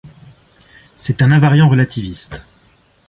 C'est un invariant relativiste.